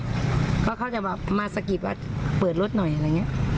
เพราะเขาจะแบบมาสะกิดว่าเปิดรถหน่อยอะไรอย่างนี้